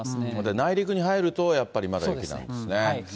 内陸に入ると、やっぱりまだ雪なんですね。